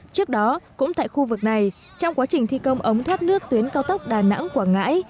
trước đó cũng tại khu vực này trong quá trình thi công ống thoát nước tuyến cao tốc đà nẵng quảng ngãi